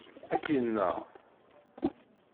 Ad k-yenɣ.